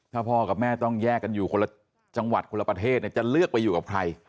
ถ้าพ่อกับแม่ต้องแยกกันอยู่คนละจังหวัดคนละประเทศจะเลือกไปอยู่กับใคร